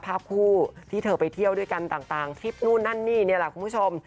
ภาพคู่ที่เธอไปเที่ยวด้วยกันต่างทริปนู่นนั่นนี่นี่แหละคุณผู้ชม